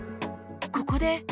ここで